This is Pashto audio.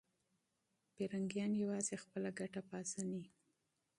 انګریزان یوازې خپله ګټه پیژني.